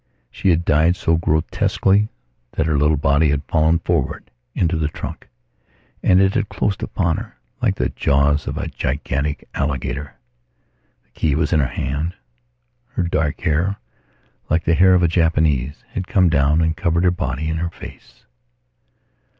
She had died so grotesquely that her little body had fallen forward into the trunk, and it had closed upon her, like the jaws of a gigantic alligator. The key was in her hand. Her dark hair, like the hair of a Japanese, had come down and covered her body and her face.